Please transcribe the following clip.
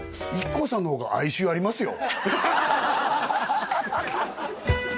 ＩＫＫＯさんの方が哀愁ありますよ